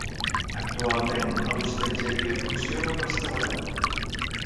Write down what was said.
Actualment, a l'hostatgeria funciona un restaurant.